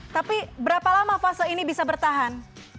tapi berapa lama fase ini bisa bertahan